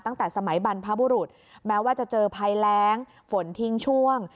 ตั้งแต่สมัยบรรพบุรุษแม้ว่าจะเจอภัยแรงฝนทิ้งช่วง